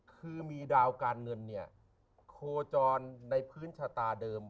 คือมีดาวการเงินเนี่ยโคจรในพื้นชะตาเดิม